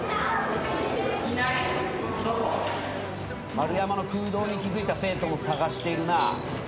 丸山の空洞に気付いた生徒も捜しているな。